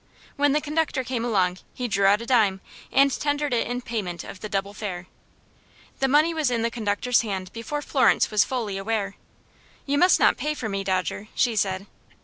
When the conductor came along, he drew out a dime, and tendered it in payment of the double fare. The money was in the conductor's hand before Florence was fully aware. "You must not pay for me, Dodger," she said.